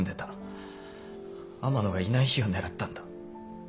天野がいない日を狙ったんだ。